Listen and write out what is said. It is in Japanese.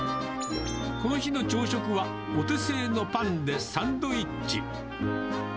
この日の朝食は、お手製のパンでサンドイッチ。